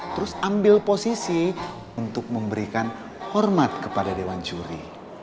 terus ambil posisi untuk memberikan hormat kepada dewan juri